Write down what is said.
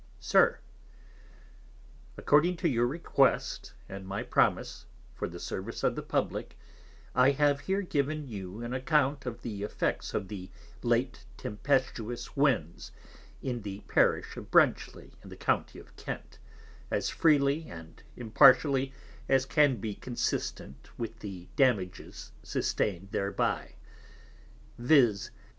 _ SIR, According to your request, and my promise, for the service of the publick, I have here given you an Account of the Effects of the late Tempestuous Winds in the Parish of Brenchly, in the County of Kent, as freely and impartially as can be consistent with the Damages sustained thereby, _viz.